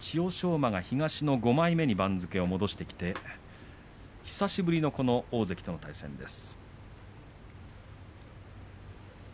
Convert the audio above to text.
馬、東の５枚目に番付を戻してきて久しぶりの大関との対戦です。